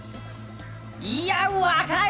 いや、若い！